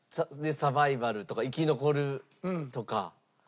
「サバイバル」とか「生き残る」とか。